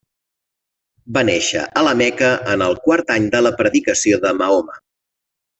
Va néixer a la Meca en el quart any de la predicació de Mahoma.